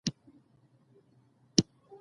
خلګ باید یوبل ته احترام ولري